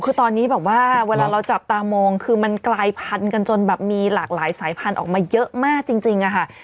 คือตอนนี้แบบว่าเวลาเราจับตามองคือมันกลายพันธุ์กันจนแบบมีหลากหลายสายพันธุ์ออกมาเยอะมากจริงค่ะ